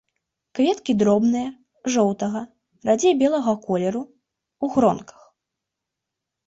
Кветкі дробныя, жоўтага, радзей белага колеру, у гронках.